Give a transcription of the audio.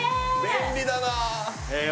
便利だなえ